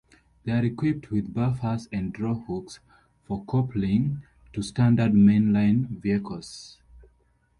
They are equipped with buffers and drawhooks, for coupling to standard main line vehicles.